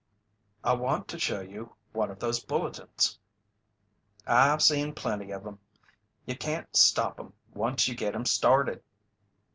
"I want to show you one of those bulletins." "I've seen plenty of 'em. You can't stop 'em once you git 'em started.